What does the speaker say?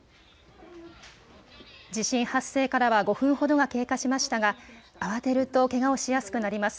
地震発生からは５分ほどが経過しましたが慌てるとけがをしやすくなります。